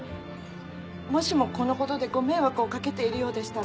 もしもこのことでご迷惑をかけているようでしたら。